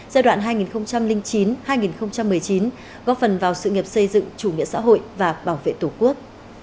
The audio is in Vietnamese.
giai đoạn hai nghìn chín hai nghìn một mươi chín góp phần vào sự nghiệp xây dựng chủ nghĩa xã hội và bảo vệ tổ quốc